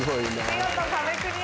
見事壁クリアです。